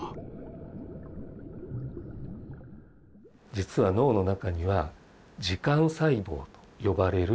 実は脳の中には「時間細胞」と呼ばれる細胞があるんです。